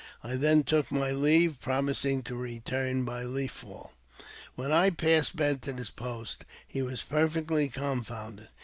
I then took my leave, promising to return by Leaf Fall. When I passed Bent at his post he was perfectly con founded.